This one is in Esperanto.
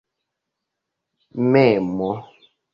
memo